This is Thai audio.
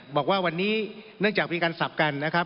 บอกว่าวันนี้เนื่องจากมีการสับกันนะครับ